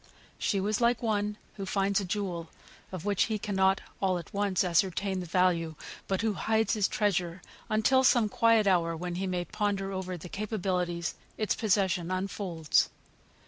She was like one who finds a jewel of which he cannot all at once ascertain the value, but who hides his treasure until some quiet hour when he may ponder over the capabilities its possession unfolds.